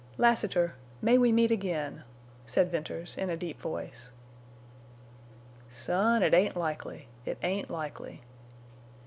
"Lassiter, may we meet again!" said Venters, in a deep voice. "Son, it ain't likely—it ain't likely.